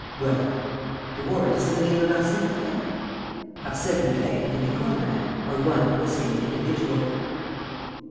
"Well?" "The warrant is in the name of Arsène Lupin." "Arsène Lupin and the Nicole man are one and the same individual."